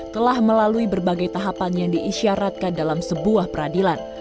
telah melalui berbagai tahapan yang diisyaratkan dalam sebuah peradilan